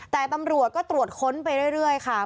แต่ตำรวจก็ตรวจค้นไปเรื่อยค่ะ